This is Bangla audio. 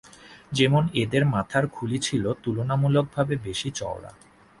যেমন এদের মাথার খুলি ছিল তুলনামূলকভাবে বেশি চওড়া।